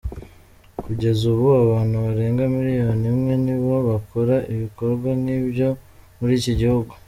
Kugeza ubu, abantu barenga miliyoni imwe nibo bakora ibikorwa nk’ibyo muri iki gihugu.